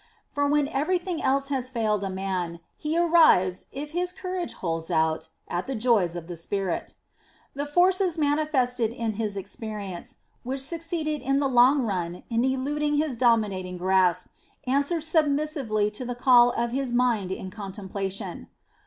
For when everything else has failed a man, he arrives, if his courage holds out, at the joys of the spirit. The forces manifested in his experience, which succeeded in the long run in eluding his dominating grasp, answer submissively to the call of his mind in contemplation.